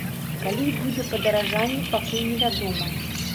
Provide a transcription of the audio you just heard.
Калі будзе падаражанне, пакуль невядома.